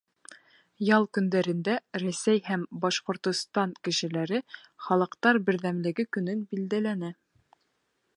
Ял көндәрендә Рәсәй һәм Башҡортостан кешеләре Халыҡтар берҙәмлеге көнөн билдәләне.